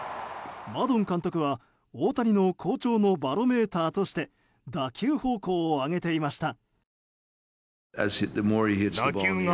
マドン監督は大谷の好調のバロメーターとして打球方向を挙げていました。